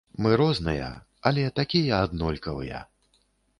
Мы розныя, але такія аднолькавыя.